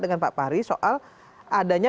dengan pak fahri soal adanya